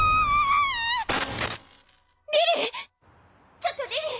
ちょっとリリィ！